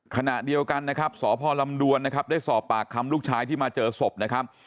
ขณะเดียวกันนะครับสพลำดวนนะครับได้สอบปากคำลูกชายที่มาเจอศพนะครับ